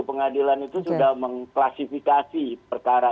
pengadilan itu sudah mengklasifikasi perkara